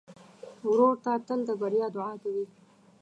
ورور ته تل د بریا دعا کوې.